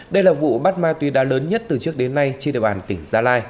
đây là vụ bắt ma túy đá lớn nhất từ trước đến nay trên đề bàn tỉnh